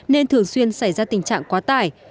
nên thường xuyên xảy ra tình trạng quá tải